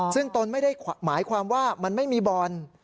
ซึ่งตนไม่ได้หมายความว่ามันไม่มีบ่อน